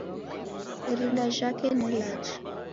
Irinda jhake ni ilacha.